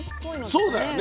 そうだよね。